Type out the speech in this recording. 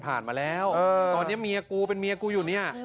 ตอนนี้มีกูเป็นเมียกูอยู่เนี่ย